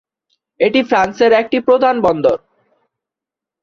এটি ফ্রান্সের একটি প্রধান বন্দর।